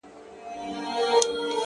o تیاره وریځ ده. باد دی باران دی.